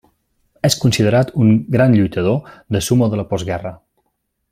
És considerat un gran lluitador de sumo de la postguerra.